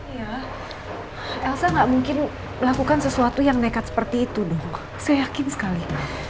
iya elsa enggak mungkin melakukan sesuatu yang nekat seperti itu dok saya yakin sekali